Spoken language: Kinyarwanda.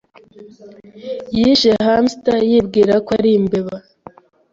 Yishe hamster yibwira ko ari imbeba.